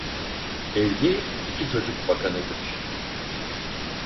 Evli iki çocuk bakanıdır.